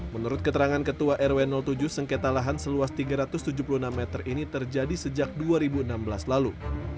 menurut keterangan ketua rw tujuh sengketa lahan seluas tiga ratus tujuh puluh enam meter ini terjadi sejak dua ribu enam belas lalu